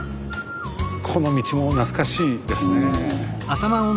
この道も懐かしいですね。